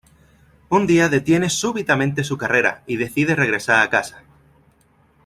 Un día detiene súbitamente su carrera y decide regresar a casa.